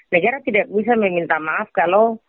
negara tidak bisa meminta maaf kalau